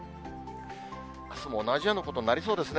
あすも同じようなことになりそうですね。